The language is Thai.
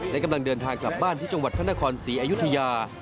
และกำลังเดินทางกลับบ้านที่จังหวัดพระนครศรีอยุธยา